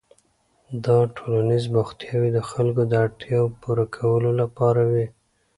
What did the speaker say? دا ټولنیز بوختیاوې د خلکو د اړتیاوو پوره کولو لپاره وې.